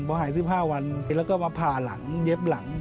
พอหาย๑๕วันแล้วก็มาผ่าหลังเย็บหลัง